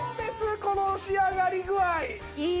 この仕上がり具合。